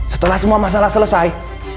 setelah semua masalah selesai